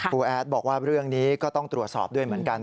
แอดบอกว่าเรื่องนี้ก็ต้องตรวจสอบด้วยเหมือนกัน